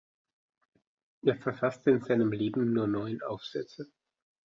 Er verfasste in seinem Leben nur neun Aufsätze.